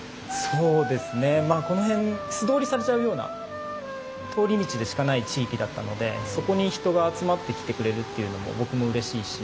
まあこの辺素通りされちゃうような通り道でしかない地域だったのでそこに人が集まってきてくれるっていうのも僕もうれしいし。